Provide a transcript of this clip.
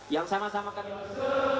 yang sama sama kan ya pak